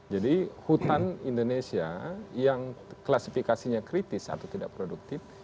jadi hutan indonesia yang klasifikasinya kritis atau tidak produktif